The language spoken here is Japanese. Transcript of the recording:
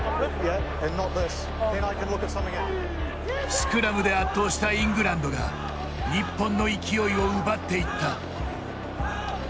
スクラムで圧倒したイングランドが日本の勢いを奪っていった。